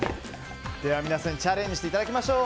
皆さんにチャレンジしていただきましょう。